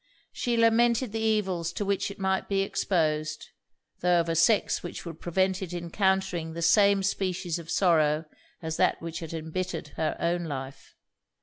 She lamented the evils to which it might be exposed; tho' of a sex which would prevent it's encountering the same species of sorrow as that which had embittered her own life.